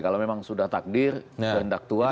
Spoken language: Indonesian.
kalau memang sudah takdir kehendak tua